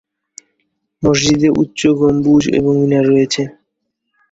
মসজিদে উচ্চ গম্বুজ এবং মিনার রয়েছে।